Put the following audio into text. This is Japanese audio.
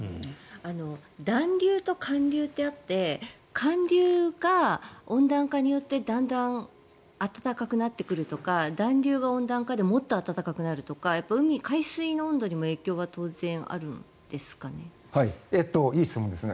暖流と寒流ってあって寒流が温暖化によってだんだん暖かくなってくるとか暖流が温暖化でもっと暖かくなるとか海、海水の温度にも影響が当然、あるんですかね。